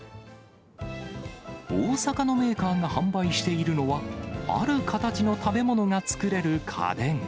大阪のメーカーが販売しているのは、ある形の食べ物が作れる家電。